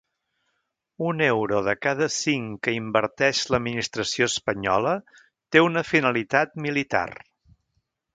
Un euro de cada cinc que inverteix l’administració espanyola té una finalitat militar.